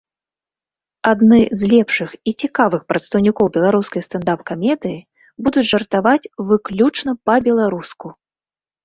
Адны з лепшых і цікавых прадстаўнікоў беларускай стэндап-камедыі будуць жартаваць выключна па-беларуску!